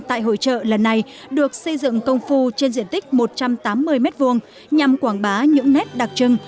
tại hội trợ lần này được xây dựng công phu trên diện tích một trăm tám mươi m hai nhằm quảng bá những nét đặc trưng